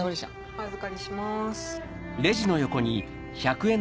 お預かりします。